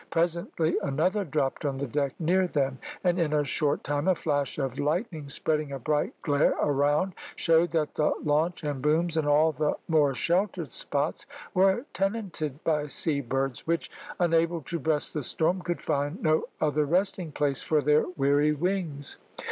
Presently another dropped on the deck near them, and in a short time a flash of lightning, spreading a bright glare around, showed that the launch and booms, and all the more sheltered spots, were tenanted by sea birds, which, unable to breast the storm, could find no other resting place for their weary wings.